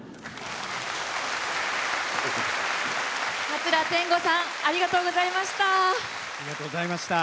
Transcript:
桂天吾さんありがとうございました。